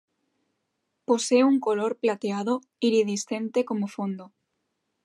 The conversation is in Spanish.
Posee un color plateado iridiscente como fondo.